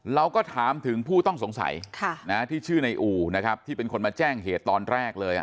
เราก็ถามถึงผู้ต้องสงสัยที่ชื่อในอู่นะครับที่เป็นคนมาแจ้งเหตุตอนแรกเลย